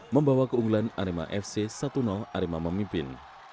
membawa keunggulan arema fc satu arema memimpin